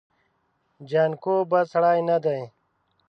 جانکو بد سړی نه دی.